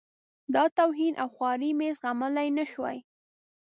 دا توهین او خواري مې زغملای نه شوای.